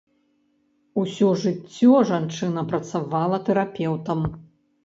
Усё жыццё жанчына працавала тэрапеўтам.